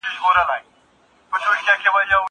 دا پاکوالی له هغه ضروري دی؟